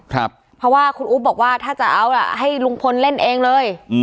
เพราะว่าคุณอุ๊บบอกว่าถ้าจะเอาล่ะให้ลุงพลเล่นเองเลย